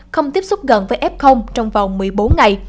không tiếp xúc gần với f trong vòng một mươi bốn ngày